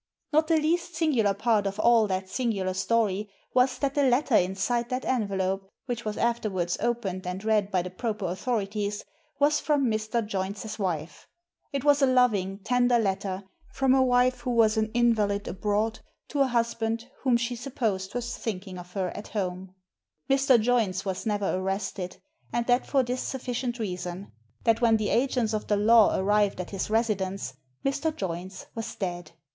Not the least singular part of all that singular story was that the letter inside that envelope, which was afterwards opened and read by the proper authorities, was from Mr. Joynes's wife. It was a loving, tender letter, from a wife who was an invalid abroad to a husband whom she supposed was think ing of her at home. Digitized by VjOOQIC 294 THE SEEN AND THE UNSEEN Mr. Joynes was never arrested, and that for this sufficient reason: that when the agents of the law arrived at his residence Mr. Joynes was dead.